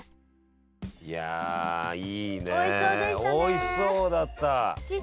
おいしそうだった。